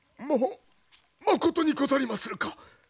ままことにござりまするか！？